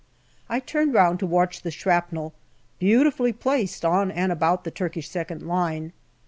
I turn round to watch the shrapnel, beautifully placed on and about the Turkish second line.